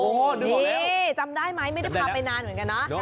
โอ้โหนี่จำได้ไหมไม่ได้พาไปนานเหมือนกันนะ